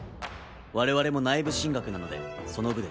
我々も内部進学なのでその部で。